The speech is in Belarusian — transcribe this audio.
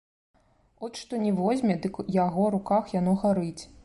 От што ні возьме, дык у яго руках яно гарыць.